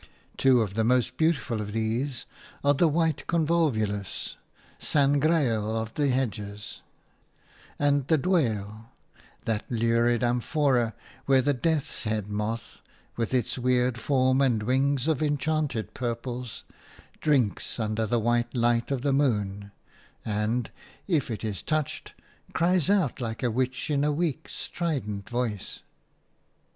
Two of the most beautiful of these are the white convolvulus, San Graal of the hedges, and the dwale – that lurid amphora where the death's head moth, with its weird form and wings of enchanted purples, drinks under the white light of the moon and, if it is touched, cries out like a witch in a weak, strident voice.